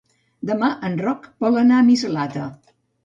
Demà en Roc vol anar a Mislata.